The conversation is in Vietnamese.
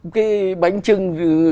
cái bánh trưng